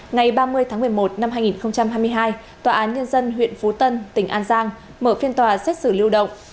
ngày ba mươi tháng một mươi một năm hai nghìn hai mươi hai tòa án nhân dân huyện phú tân tỉnh an giang mở phiên tòa xét xử lưu động